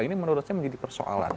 ini menurut saya menjadi persoalan